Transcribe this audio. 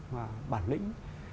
và bản lĩnh